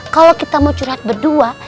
kalau kita mau curhat berdua